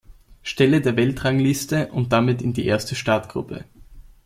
Stelle der Weltrangliste und damit in die erste Startgruppe.